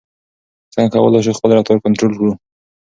څنګه کولای شو خپل رفتار کنټرول کړو؟